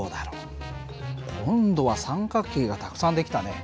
今度は三角形がたくさん出来たね。